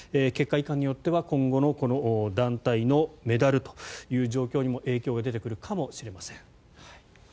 結果いかんによっては今後の団体のメダルという状況にも影響が出てくるかもしれません。